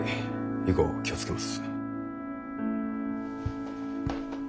以後気を付けます。